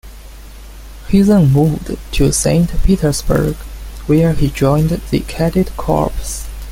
He then moved to Saint Petersburg, where he joined the Cadet Corps.